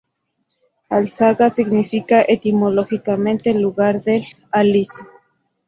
Alzaga significa etimológicamente "lugar del aliso".